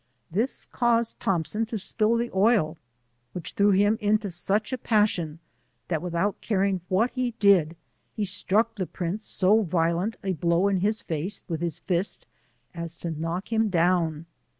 This caused Thompson to spill the oil, which threw him into such a passion, that without oaring what he did, he struck the priooc 6'> violent a blow in his face with his fist as to knock him down.